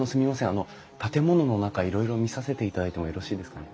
あの建物の中いろいろ見させていただいてもよろしいですかね？